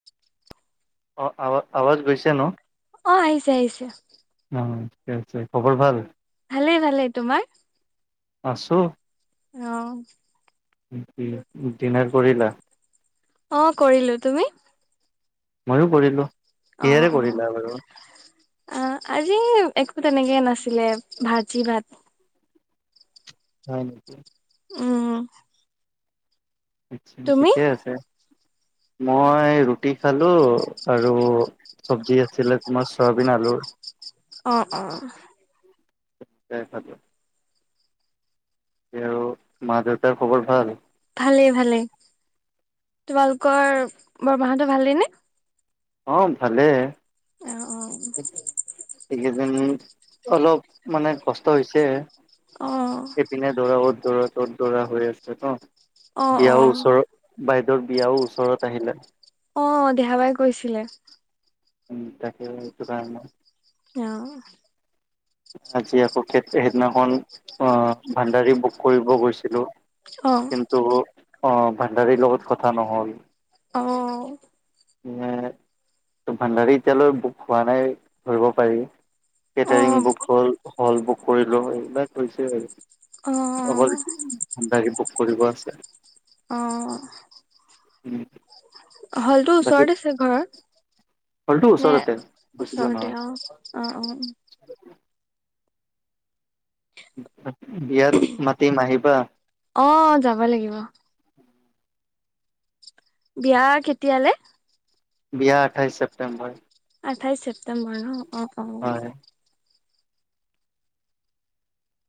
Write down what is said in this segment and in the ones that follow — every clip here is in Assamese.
[unintelligible] অঁ আৱ আৱাজ গৈছে ন। অ‍ঁ আহিছে আহিছে। অ ঠিক আছে, খবৰ ভাল। ভালেই ভালেই, তোমাৰ? আছোঁ। অ‌ঁ ডিনাৰ কৰিলা। অঁ কৰিলো তুমি। ময়ো কৰিলোঁ। অঁ অঁ অ আজি একো তেনেকে নাছিলে, ভাজি ভাত। হয় নেকি? উম আচ্ছা তুমি ঠিকে আছে মই ৰুটি খালোঁ আৰু- চব্জি আছিলে, তোমাৰ চয়াবিন আলু। অঁ অঁ [unintelligible] আৰু মা দেউতাৰ খবৰ ভাল। ভালেই ভালেই তোমালোকৰ বৰমা হতঁৰ ভালেই নে। অঁ ভালেই। অ অ। এইকেইদিন অলপ মানে কষ্ট হৈছে। অহ। দিনে ধৰা 'ত দৰা ত'ত দৰা হৈ আছে ন অ অ বিয়াও ওচৰত। বাইদেউৰ বিয়াও ওচৰত আহিলে। অ দেহাবাই কৈছিলে। তাকে সেইটো কাৰণে। অহ। আজি আকৌ সেই -সেইদিনাখন আহ ভাণ্ডাৰী বুক কৰিব গৈছিলোঁ। অ। কিন্তু অ ভাণ্ডাৰীৰ লগত কথা নহ'ল। অ অ ভাণ্ডাৰী এতিয়ালৈ বুক হোৱা নাই ধৰিব পাৰি অ কেটাৰিং বুক হ'ল হ'ল বুক কৰিলোঁ এইবিলাক হৈছে আৰু। অ অকল গাড়ী বুক কৰিব আছে। অ উম। হলটো ওচৰত আছে ঘৰ। হলটো ওচৰতে, বেছি দূৰ নহয়। অ অ অ। [inaudible] বিয়াত মাতিম আহিবা। অ যাব লাগিব। বিয়া কেতিয়ালে? বিয়া আঠাইছ ছেপ্তেম্বৰ। আঠাইছ ছেপ্তেম্বৰ ন অ অ অ। হয়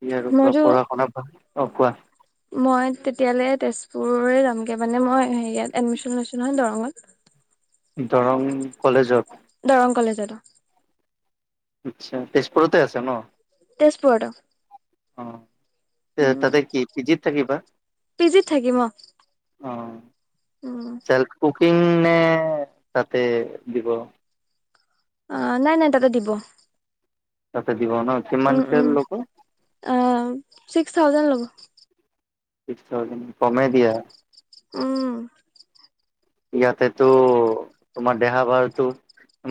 ই আৰু মইতো পঢ়া শুনা ভাল, অ কোৱা? মই তেতিয়ালে তেজপুৰ যামগে মানে মই হেৰিয়াত এডমিশন লৈছোঁ নহয় দৰংত। [inaudible] দৰং কলেজত। দৰং কলেজত অ। আচ্ছা, তেজপুৰতে আছে ন। তেজপুৰত অ। অ, তাতে কি পি জিত থাকিবা? পি জিত থাকিম অ অ। উম। তেল্ফ কুকিংনে তাতে দিব? অ নাই নাই তাতে দিব। তাতে দিব ন উম কিমানকে উম ল'ব? অ ছিক্স থাউজেণ্ড ল'ব। ছিক্স থাউজেণ্ড কমে দিয়া। উম। ইয়াতেতো তোমাৰ দেহা ভাৰটো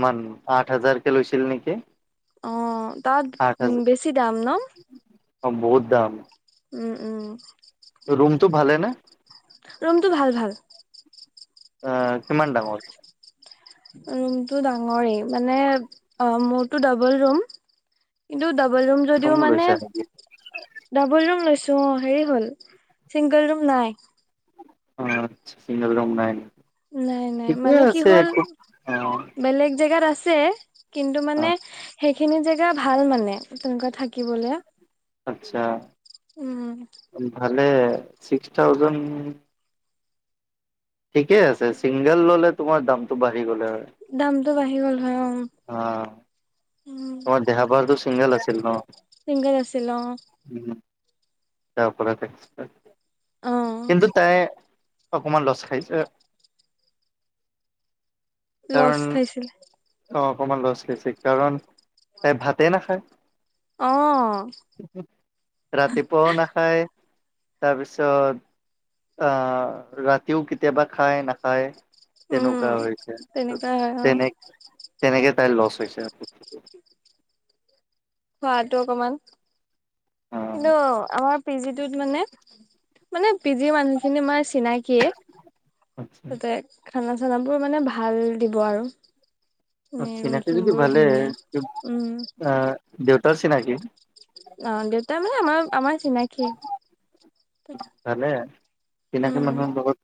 ইমান আঠ হাজাৰকে লৈছিল নেকি? অ তাত আঠ উম হাজাৰ বেছি দাম ন? অ বহুত দাম। উম উম। ৰুমটো ভালে নে? ৰুমটো ভাল ভাল। আ কিমান ডাঙৰ? ৰুমটো ডাঙৰে মানে অ মোৰটো ডবল ৰুম। কিন্তু ডাবল ৰুম যদিও মানে লৈছা নেকি ডাবল ৰুম লৈছোঁ অ হেৰি হ'ল চিংগল ৰুম নাই? অ চিংগল ৰুম নাই? নাই নাই ঠিকে মানে কি আছে হ'ল একো অ বেলেগ জেগাত আছে। কিন্তু অ মানে সেইখিনি জেগা ভাল মানে তেনেকুৱা থাকিবলে। আচ্ছা। উম। ভালে, ছিক্স থাউজেণ্ড', ঠিকে আছে ছিংগল ল'লে তোমাৰ দামটো বাঢ়ি গ'লে হয়। দামটো বাঢ়ি গ'ল হয়', অ', অহ', উম', দেহাবলতো চিংগল আছিল ন? ছিংগাল আছিল অ', উম', তাৰপৰাতে অ কিন্তু তাই', অকমান লচ খাইছে', লচ কাৰণ খাইছিলে', অ, ' অকমান লচ খাইছে কাৰণ? তাই ভাতে নাখায়', অ হম', -হম', ৰাতিপুৱাও নাখায়, তাৰপিছত', আহ, ৰাতিও কেতিয়াবা খায়, নাখায়', উম শুকাই গৈছে তে', তেনেকুৱা হয় অ তেনে- তেনেকে তাই লচ হৈছে', খোৱাতো অকমান, অ কিন্তু আমাৰ', পি জি টোত মানে, মানে পি জি ৰ মানুহখিনি মাৰ চিনাক', কিয়ে', তাতে খানা চানাবোৰ মানে ভাল দিব আৰু', অ', ৰুম চিনাকি চুম যদি বোৰো ভালে, ধুনীয়া উম অহ', দেউতাৰ চিনাকি', অ, ' দেউতা মানে আমাৰ আমাৰ চিনাকি', ভালে, চিনাকি উম, মানুহৰ লগত,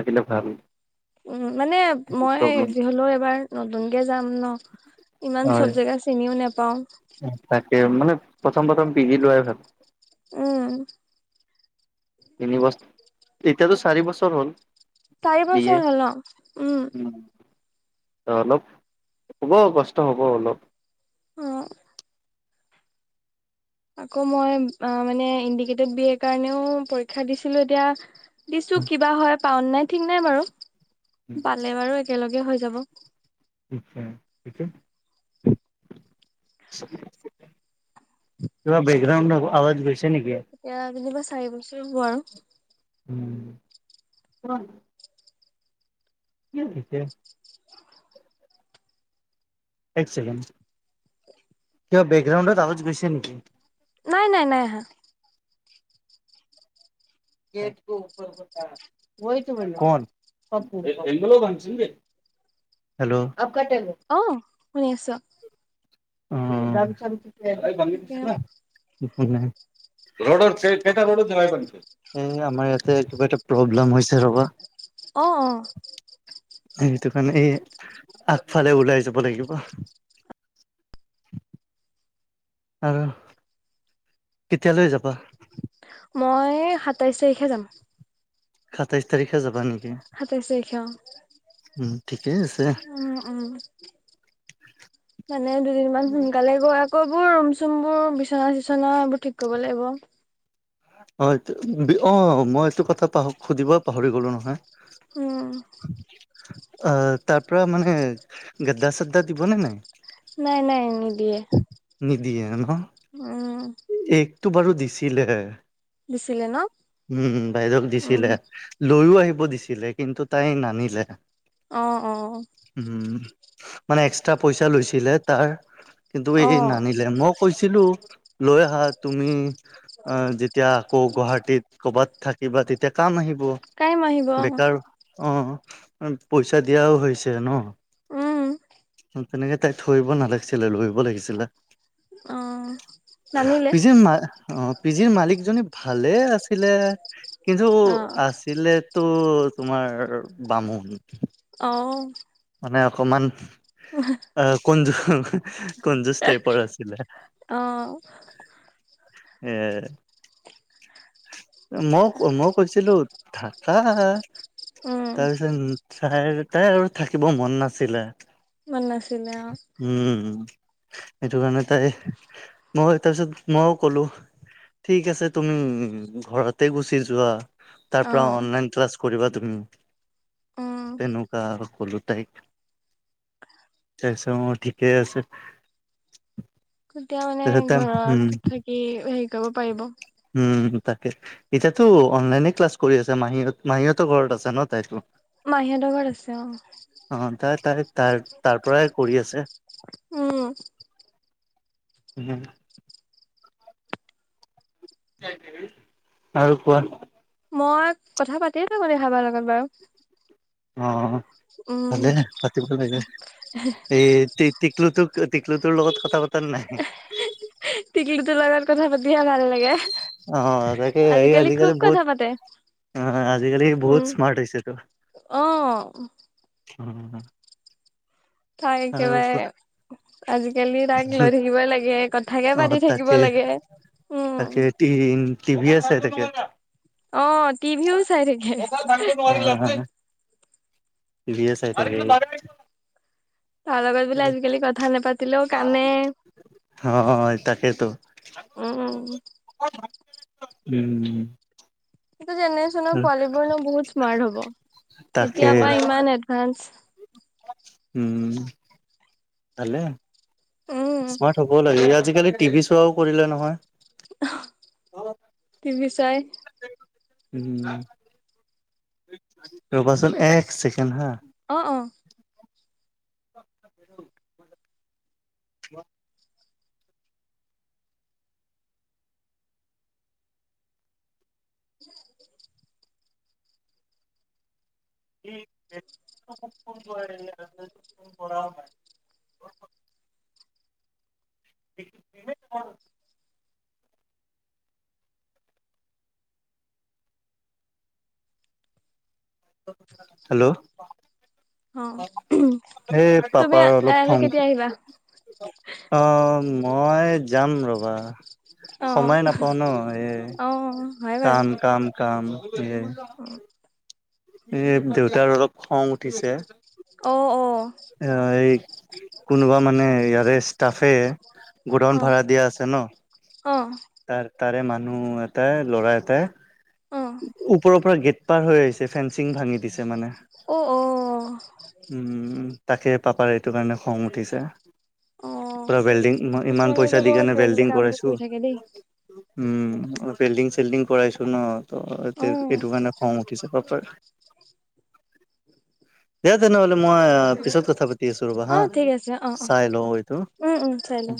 থাকিলে ভাল', উম', মানে একো মই প্ৰব্লেম যি হ'লেও, এবাৰ নতুনকে যাম ন', ইমান হয় চব জেগা চিনিও নোপাওঁ', তাকে', মানে প্ৰথম- প্ৰথম পি জি লোৱাই ভাল', উম', তিনি বছ', এতিয়াতো চাৰি বছৰ হ'ল', চাৰি বি এ, বছৰ হ'ল ন? উম, হুম', অ' অলপ, হ'ব কষ্ট হ'ব অলপ', অঁ', আকৌ মই মানে ইণ্ডিকেটড বি এৰ কাৰণেও পৰীক্ষা দিছিলোঁ এতিয়া', দিছোঁ, কি বা হয় পাওঁ ন নাই ঠিক নাই বাৰু পালে বাৰু একেলগে হৈ যাব', [unintelligible] কিবা বেকগ্ৰাউণ্ডত আৱাজ গৈছে নেকি? এয়া যেনিবা চাৰি বছৰ হ'ব আৰু', উম', কিমান? হোম', কি কয়? এক চেকেণ্ড, কিবা বেকগ্ৰাউণ্ডত আৱাজ গৈছে নেকি? নাই, - নাই, - নাই, আহা', [unintelligible] হেল্ল', অ, ' শুনি আছোঁ? তাকে, উম', [unintelligible] এ', আমাৰ ইয়াতে কিবা এটা প্ৰব্লেম হৈছে ৰবা? অহ', অহ', সেইটো কাৰণে, আগফালে ওলাই যাব লাগিব', আৰু', কেতিয়ালৈ যাবা? মই এই সাতাইশ তাৰিখে যাম', সাতাইশ তাৰিখে যাবা নি? সাতাইছ তাৰিখে অ, উম', ঠিকে', উম উম, মানে দুদিনমান সোনকালে আকৌ, আকৌবোৰ ৰুম চুম বোৰ বিচনা চিচনা এইবোৰ ঠিক কৰিব লাগিব। অ', অ, মই এইটো কথা পাহ সুধিব পাহৰি গলো নহয়। উম, তাৰ তাৰ পাৰা মানে, গাদ্দা চাদ্দা দিবনে নাই? নাই নাই, নিদিয়ে। নিদিয়ে ন? উম, একটো বাৰু দিছিলে। দিছিলে ন? উম, বাইদেউক দিছিলে, উম লৈও আহিব দিছিলে কিন্তু তাই নানিলে। অ', অ, উম, মানে এক্সট্ৰা পইচা লৈছিলে তাৰ কিন্তু এই অ নানিলে মই কৈছিলো, লৈ আহা তুমি আহ যে তিয়া আকৌ গুৱাহাটীত ক'বাত থাকিবা তেতিয়া কাম আহিব, কাইম আহিব অ বেকাৰ অ', পইচা দিয়াও হৈছে ন? উম তেনেকে তাইক থৈ আহিব নালাগিছিলে লৈ আহিব লাগিছিলে। অ নানিলে পিছে মা অ, পিছে মালিকজনী ভালে আছিলে, কিন্তু, অ আচ ছিলেতো তোমাৰ বামুণ। অ', মানে অকমান [unintelligible] আহ কনজু কনজুজ টাইপৰ আছিলে। অ এ, মোক মোক কৈছিলো থাকা, উম তাৰপিছত তাইৰ তাই আৰু থাকিব মন নাছিলে। মন নাছিলে অ, উম, সেইটো কাৰণে তাই, মই তাৰপিছত মইও ক'লো। ঠিক আছে তুম, ঘৰতে গুচি যোৱা। তাৰ অ পৰা অনলাইন ক্লাছ কৰিবা তুমি, উম তেনেকুৱা আউ ক'লো তাইক, তাৰপিছত ঠিকেই আছে। তেতিয়া মানে তাৰপিছত তাই উম ঘৰত থাকি হেৰি কৰিব পাৰিব। উম তাকে, এতিয়াতো অনলাইনে ক্লাছ কৰি আছে মাহী হত মাহীহতৰ ঘৰত আছে ন তাইতো? মাহীহতৰ ঘৰত। আছে অ অ', তাই তাই তাৰ তাৰ পৰাই কৰি আছে। উম, হুম, আৰু কোৱা? মই, কথা পাতিয়ে থাকোঁ নেহা বাৰ লগত বাৰু। অ', উম ভালে পাতিব লাগে, এ টি টিকলুটোক টিকলুটোৰ লগত কথা পা টিকলুটোৰ লগত কথা পাতিহে ভাল লাগে। অ', তাকে এই আজিকালি খুব বহুত কথা পাতে [unintelligible] আজিকালি বহুত উম স্মাৰ্ট হৈছেতো, অ উম, তাই একেবাৰে কোৱা? আজিকালি তাক লৈ থাকিব লাগে কথাকে অ পাতি থাকিব তাকে লাগে, উম, তাকে টি টি ভি আছে [unintelligible] অ', টি ভিও চাই থাকে। আ। টিভিয়ে চাই থাকে সি। তাৰ লগত বোলে আজিকালি কথা নেপাতিলেও কানে। হয় তাকেতো, উম উম। এটো জেনেৰে্চনৰ পোৱালী বোৰ নো বহুত স্মাৰ্ট হব। তাকে এতিয়া পা ইমান এডভান্স। উম, ভালে উম স্মাৰ্ট হব ব লাগে। ই আজিকালি টিভি চোৱাও কৰিলে নহয়। অঃ, টিভি চাই। উম, ৰবাচোন এক চেকেণ্ড হা। অ অ। [unintelligible] হ [unintelligible] ন [unintelligible] [inaudible] [unintelligible] [unintelligible] [unintelligible] হেল্ল'। অ এ তুমি পাপাৰ অলপ ইয়ালে খং কেতিয়া আহিবা অহ মই যাম ৰ'বা, অ সময় নাপাওঁ ন এই অ হয় কাম, কাম, কাম, এই অ এই দেউতাৰ অলপ খং উঠিছে অ অ। এ এই, কোনোবা মানে ইয়াৰে ষ্টাফে গুদাউন অ ভাড়া দিয়া আছে ন অ তাৰ, তাৰে মানুহ এটা ল'ৰা এটাই অহ। ওপৰৰ পৰা গেট পাৰ হৈ আহিছে ফেঞ্চিং ভাঙি দিছে মানে অ, অঅ উম, তাকে পাপাৰ এইটো কাৰণে খং উঠিছে অ পুৰা ৱেল্ডিং ইমান কিছুমানে পইচা যে দি বৰ কিনে কিবা কিবি ৱেল্ডিং কাম বোৰ কৰাইছো কৰি থাকে দেই উম, ৱেডিং চেল্টিং কৰাইছো ন। অ ত' এইটো কাৰণে খং উঠিছে পাপাৰ দিয়া তেনেহ'লে মই পিছত কথা পাতি আছো ৰ'বা অ হা ঠিক আছে অ অ চাই লও এইতো উম উম চাই লওঁ